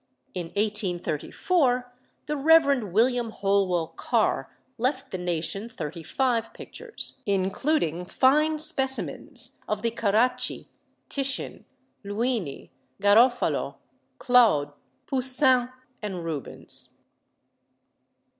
In 1834 the Rev. William Holwell Carr left the nation thirty five pictures, including fine specimens of the Caracci, Titian, Luini, Garofalo, Claude, Poussin, and Rubens.